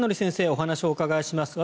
お話をお伺いします。